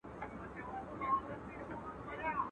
رقیبي سترګي وینمه په کور کي د مُغان.